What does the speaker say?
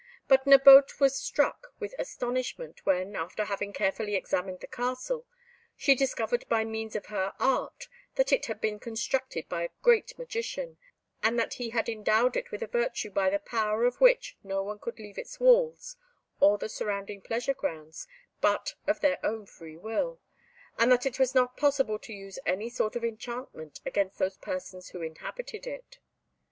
But Nabote was struck with astonishment when, after having carefully examined the castle, she discovered by means of her art that it had been constructed by a great magician, and that he had endowed it with a virtue by the power of which no one could leave its walls or the surrounding pleasure grounds but of their own free will, and that it was not possible to use any sort of enchantment against those persons who inhabited it.